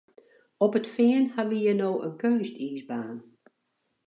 Op it Fean ha we hjir no in keunstiisbaan.